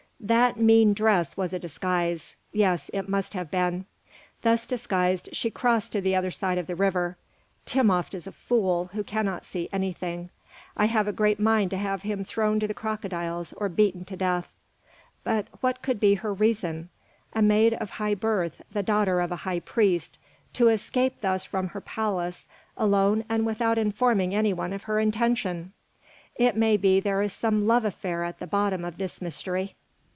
"That mean dress was a disguise. Yes, it must have been. Thus disguised, she crossed to the other side of the river. Timopht is a fool, who cannot see anything. I have a great mind to have him thrown to the crocodiles or beaten to death. But what could be her reason? A maid of high birth, the daughter of a high priest, to escape thus from her palace, alone and without informing any one of her intention! It may be there is some love affair at the bottom of this mystery."